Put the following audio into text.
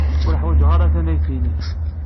Ur ḥwajeɣ ara tannayt-nnek.